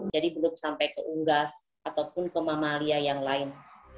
belum sampai ke unggas ataupun ke mamalia yang lain